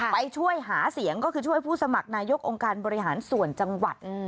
ไปช่วยหาเสียงก็คือช่วยผู้สมัครนายกองค์การบริหารส่วนจังหวัด